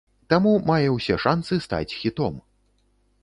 Таму мае ўсе шанцы стаць хітом!